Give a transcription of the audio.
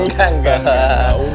enggak enggak enggak